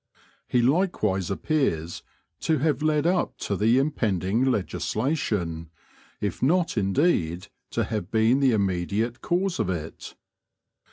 He likewise appears to have led up to the impending legislation, if not indeed to have been the immediate cause of it.